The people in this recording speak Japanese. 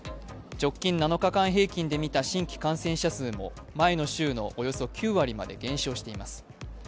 直近７日間平均で見た新規感染者数も前の週のおよそ９割まで減少しています。